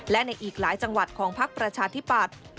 และในอีกหลายจังหวัดของพักประชาธิปัตย์